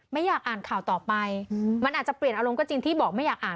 ไม่อยากอ่านข่าวต่อไปมันอาจจะเปลี่ยนอารมณ์ก็จริงที่บอกไม่อยากอ่าน